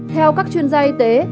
theo các chuyên gia y tế